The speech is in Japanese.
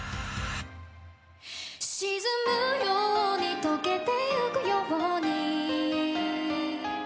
「沈むように溶けてゆくように」